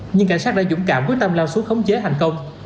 nhưng cảnh sát đã dũng cảm quyết tâm lao xuống khống chế thành công